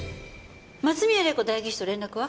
松宮玲子代議士と連絡は？